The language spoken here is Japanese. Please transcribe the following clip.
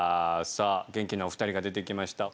さあ元気なお二人が出てきました。